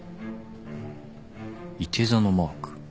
射手座のマーク。